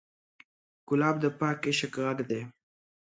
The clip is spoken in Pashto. ګلاب د پاک عشق غږ دی.